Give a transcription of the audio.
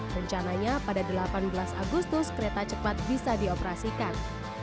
rencananya pada delapan belas agustus kereta cepat bisa dioperasikan